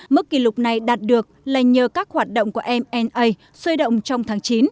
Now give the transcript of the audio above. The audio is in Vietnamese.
mức kỷ lục này đạt được là nhờ các hoạt động của mna sôi động trong tháng chín